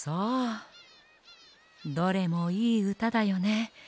どれもいいうただよね。